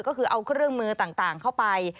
ก็คือเอาเครื่องมือต่างเข้าไป